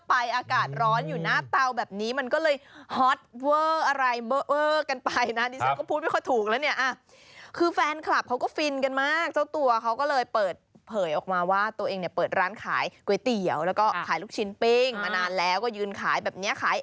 อ๋อมันอาจารย์ร้อนใช่คือเป็นพ่อค้าขายลูกชิ้นปิ้งสุดแซ่บ